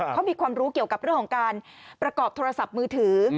เขามีความรู้เกี่ยวกับเรื่องของการประกอบโทรศัพท์มือถือ